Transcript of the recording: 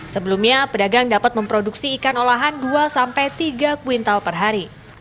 sebelumnya pedagang dapat memproduksi ikan olahan dua sampai tiga kuintal per hari